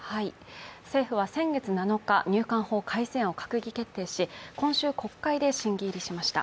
政府は先月７日、入管法改正案を閣議決定し、今週、国会で審議入りしました。